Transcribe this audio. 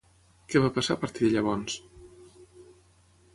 Què va passar a partir de llavors?